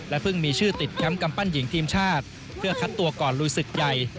เพิ่งมีชื่อติดแคมป์กำปั้นหญิงทีมชาติเพื่อคัดตัวก่อนลุยศึกใหญ่